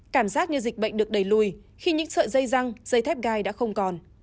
cảm giác như dịch bệnh được đẩy lùi khi những sợi dây răng dây thép gai đã không còn